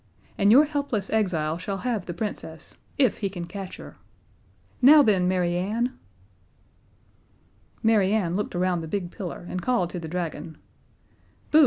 And your helpless exile shall have the Princess if he can catch her. Now then, Mary Ann." Mary Ann looked around the big pillar and called to the dragon: "Bo!